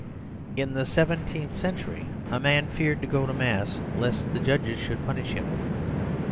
In the seventeenth century a man feared to go to Mass lest the judges should punish him.